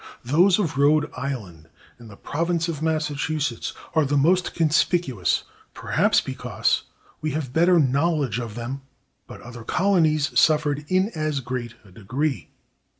Those of Rhode Island(250) and the Province of Massachusetts(251) are the most conspicuous, perhaps, because we have better knowledge of them, but other colonies suffered in as great a degree.